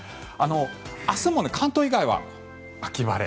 明日も関東以外は秋晴れ。